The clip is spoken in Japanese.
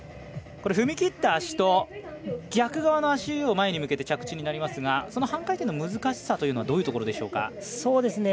踏み切った足と逆側の足を前に向けての着地になりますがその半回転の難しさというのはどういうところでしょうか？